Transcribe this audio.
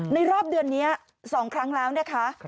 รอบเดือนนี้๒ครั้งแล้วนะคะ